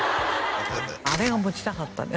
あれが持ちたかったのよ